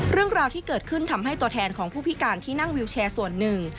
เรื่องราวที่เกิดขึ้นทำให้ตัวแทนของผู้พิการที่นั่งวิวแชร์ส่วนหนึ่ง